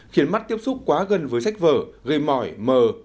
khiến mắt tiếp xúc quá gần với sách vở gây mỏi mờ